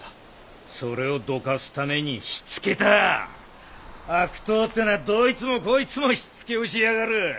それをどかすために火つけたあ悪党ってのはどいつもこいつも火つけをしやがる。